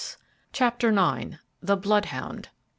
Chapter IX. THE BLOODHOUND.